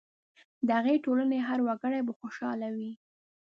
د هغې ټولنې هر وګړی به خوشاله وي.